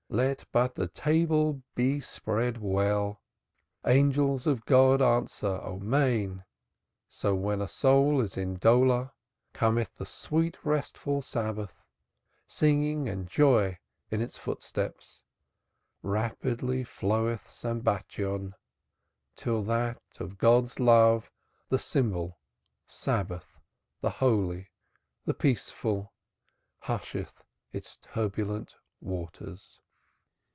Let but the table be spread well, Angels of God answer "Amen!" So when a soul is in dolor, Cometh the sweet restful Sabbath, Singing and joy in its footsteps, Rapidly floweth Sambatyon, Till that, of God's love the symbol, Sabbath, the holy, the peaceful, Husheth its turbulent waters.